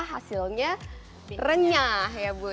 hasilnya renyah ya bu